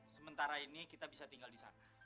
sementara ini kita bisa tinggal di sana